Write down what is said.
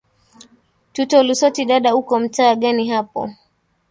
tulo lusoti dada uko mtaa gani hapo